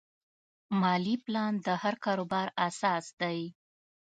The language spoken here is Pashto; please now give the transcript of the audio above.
مالي پلان د هر کاروبار اساس دی.